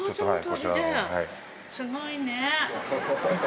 すごいねぇ。